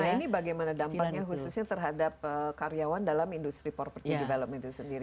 nah ini bagaimana dampaknya khususnya terhadap karyawan dalam industri property development itu sendiri